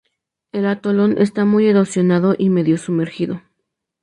El atolón está muy erosionado y medio sumergido.